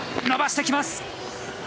伸ばしてきます！